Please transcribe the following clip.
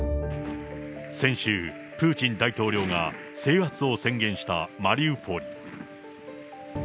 先週、プーチン大統領が制圧を宣言したマリウポリ。